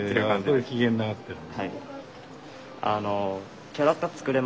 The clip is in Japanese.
これ機嫌直ってる。